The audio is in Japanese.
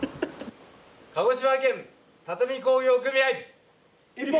鹿児島県畳工業組合一本。